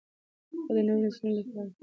هغه د نوو نسلونو لپاره یو لوی ادبي لارښود دی.